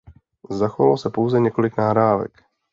Zachovalo se pouze několik nahrávek.